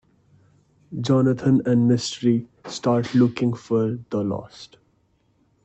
Jonathan and Mystery start looking for "The lost".